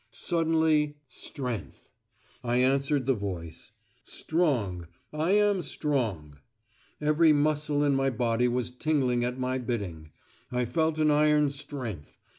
Suddenly, "Strength." I answered the voice. "Strong. I am strong." Every muscle in my body was tingling at my bidding. I felt an iron strength.